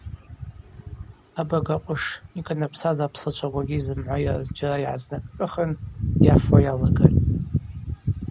Абагакъвыш, йкӏанапсаз апслачваква зымгӏва йара зджьара йгӏазнакӏкӏыхын, йафуа йалагатӏ.